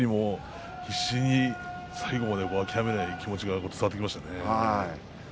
最後まで諦めない気持ちが伝わってきましたね。